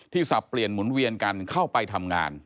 สับเปลี่ยนหมุนเวียนกันเข้าไปทำงาน